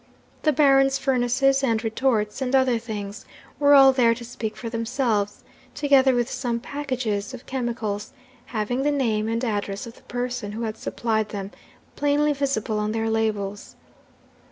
The Baron's furnaces and retorts, and other things, were all there to speak for themselves, together with some packages of chemicals, having the name and address of the person who had supplied them plainly visible on their labels.